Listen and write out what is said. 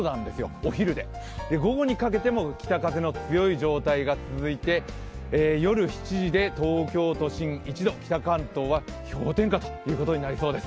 お昼で、午後にかけても北風の強い状態が続いて、夜７時で東京都心１度、北関東は氷点下となりそうです。